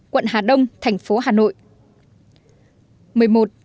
quận hà đông tp hcm